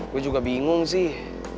gue juga bingung sih